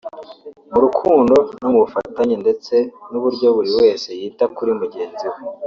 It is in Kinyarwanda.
mu rukundo no mu bufatanye ndetse n’uburyo buri wese yita kuri mugenzi we